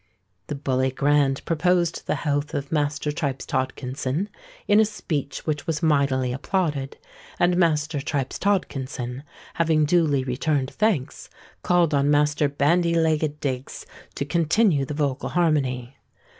The Bully Grand proposed the health Of Master Tripes Todkinson, in a speech which was mightily applauded; and Master Tripes Todkinson, having duly returned thanks, called on Master Bandy legged Diggs to continue the vocal harmony.